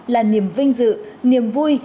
là niềm vinh dự niềm vui